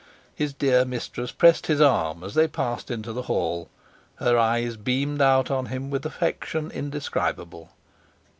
His dear mistress pressed his arm as they passed into the hall. Her eyes beamed out on him with affection indescribable.